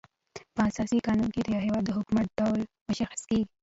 په اساسي قانون کي د یو هيواد د حکومت ډول مشخص کيږي.